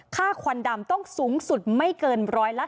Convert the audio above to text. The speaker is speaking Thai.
ควันดำต้องสูงสุดไม่เกิน๑๓